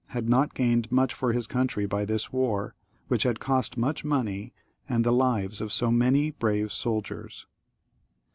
had not gained much for his country by this war, which had cost much money and the lives of so many brave soldiers.